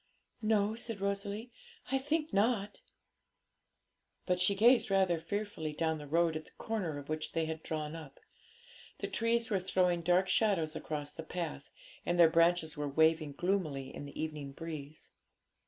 'No,' said Rosalie; 'I think not.' But she gazed rather fearfully down the road at the corner of which they had drawn up. The trees were throwing dark shadows across the path, and their branches were waving gloomily in the evening breeze.